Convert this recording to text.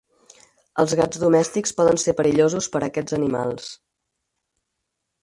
Els gats domèstics poden ser perillosos per a aquests animals.